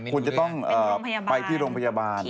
คุณจะต้องไปที่โรงพยาบาล